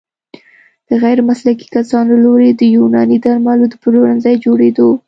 د غیرمسلکي کسانو له لوري د يوناني درملو د پلورنځيو جوړیدو